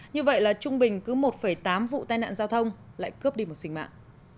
như vậy là trung bình cứ một tám vụ tai nạn giao thông lại cướp đi một sinh mạng